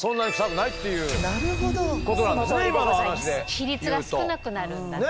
比率が少なくなるんだね。